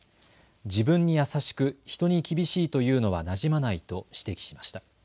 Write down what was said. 自分に優しく、人に厳しいというのはなじまないと指摘しました。